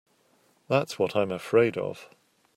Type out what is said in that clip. That's what I'm afraid of.